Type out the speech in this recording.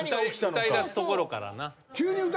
歌いだすところからな。